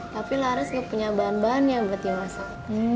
tapi laris gak punya bahan bahan yang buat dimasak